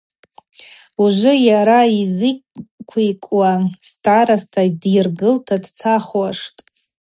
Ужвы йара йызквикӏуа староста дйыргылта дцахуаштӏ.